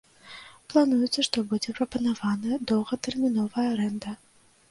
Плануецца, што будзе прапанаваная доўгатэрміновая арэнда.